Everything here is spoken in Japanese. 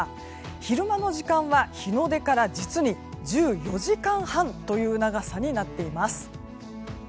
昼間の時間は日の出から実に１４時間半という長さになっています。